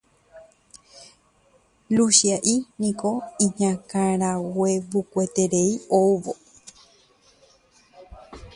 Luchia'i niko iñakãraguevukueterei oúvo